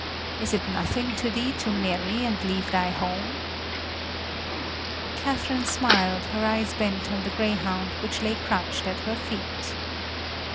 Is it nothing to thee to marry and leave thy home?" Catherine smiled, her eyes bent on the greyhound which lay crouched at her feet.